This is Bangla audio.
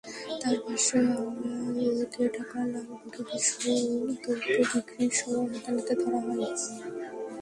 তাঁর ভাষ্য, আওয়ালকে ঢাকার লালবাগে বিস্ফোরকদ্রব্য বিক্রির সময় হাতেনাতে ধরা হয়।